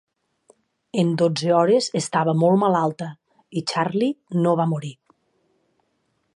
En dotze hores estava molt malalta. I Charley no va morir.